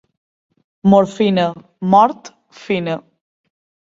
Morfina, mort fina.